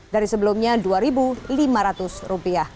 dari sebelumnya rp dua lima ratus